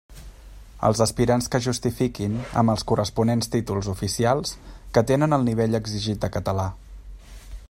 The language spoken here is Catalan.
Els aspirants que justifiquin, amb els corresponents títols oficials, que tenen el nivell exigit de català.